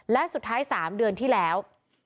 และสุดท้าย๓เดือนที่แล้ว